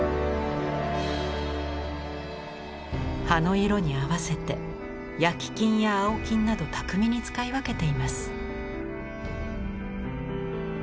葉の色に合わせて焼金や青金など巧みに使い分けています。